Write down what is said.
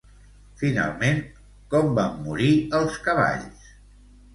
Finalment, com van morir els cavalls?